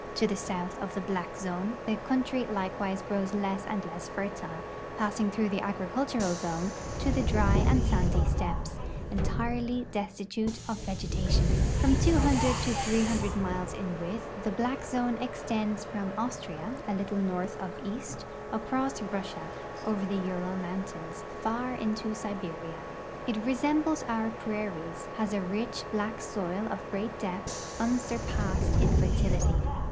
To the south of the black zone the country likewise grows less and less fertile, passing through the agricultural zone to the dry and sandy steppes, entirely des titute of vegetation. From 200 to 300 miles in width, the black zone extends from Austria, a little north of east, across Russia, over the Ural mountains, far into Siberia. It resembles our ])rairies ; has a rich, l)lack soil of great depth, unsurpassed in fertility.